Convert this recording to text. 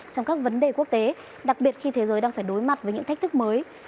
trong các vấn đề quốc tế đặc biệt khi thế giới đang phải đối mặt với những thách thức mới